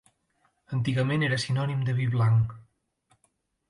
Antigament era sinònim de vi blanc.